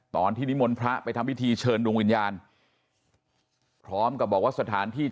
ตอนที่นิมวลพระไปทำพิธีเชิญดุรุงวิญญาณ